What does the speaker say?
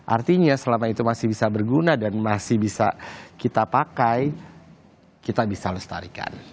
artinya selama itu masih bisa berguna dan masih bisa kita pakai kita bisa lestarikan